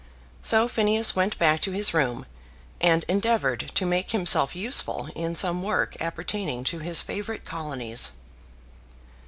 So Phineas went back to his room, and endeavoured to make himself useful in some work appertaining to his favourite Colonies.